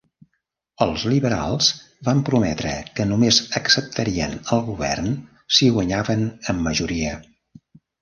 Els Liberals van prometre que només acceptarien el govern si guanyaven amb majoria.